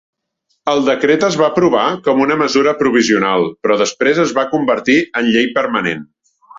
El decret es va aprovar com a una mesura provisional, però després es va convertir en llei permanent.